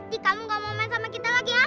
iya berarti kamu gak mau main sama kita lagi ah